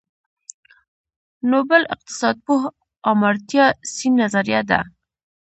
نوبل اقتصادپوه آمارتیا سېن نظريه ده.